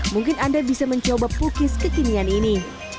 mungkin anda bisa mencoba pukis kekinian ini